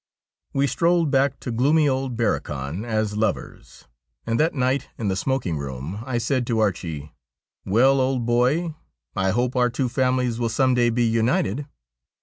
We strolled back to gloomy old Barrochan as lovers, and that night in the smoking room I said to Archie :' Well, old boy, I hope our two families will some day be united.'